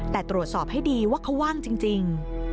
แต่ตรวจสอบให้ดีว่าเขาว่างจริง